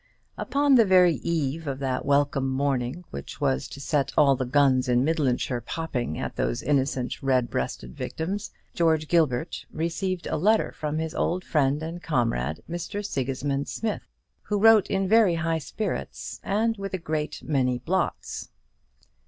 Upon the very eve of that welcome morning which was to set all the guns in Midlandshire popping at those innocent red breasted victims, George Gilbert received a letter from his old friend and comrade, Mr. Sigismund Smith, who wrote in very high spirits, and with a great many blots.